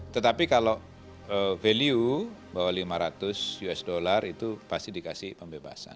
tetapi kalau value bahwa lima ratus usd itu pasti dikasih pembebasan